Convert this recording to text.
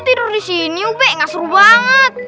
tidur disini ube gak seru banget